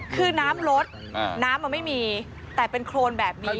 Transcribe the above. คือน้ำลดน้ำมันไม่มีแต่เป็นโครนแบบนี้